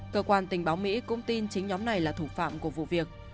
cơ quan tình báo mỹ cũng tin chính nhóm này là thủ phạm của vụ việc